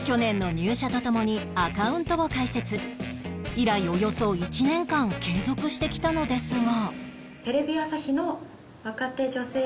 以来およそ１年間継続してきたのですが